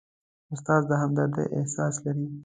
استاد د همدردۍ احساس لري.